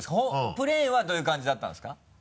プレーンはどういう感じだったんですか？